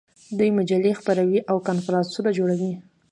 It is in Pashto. دوی مجلې خپروي او کنفرانسونه جوړوي.